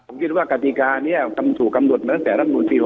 ผมคิดว่ากฏิการอยู่ถูกกำหนดเหมือนที่ดรมศูนย์ที่๖๐